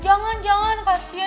jangan jangan kasian